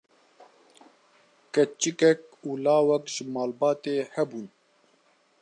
keçikek û lawek ji malbatê hebûn